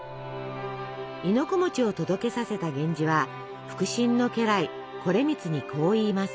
亥の子を届けさせた源氏は腹心の家来惟光にこう言います。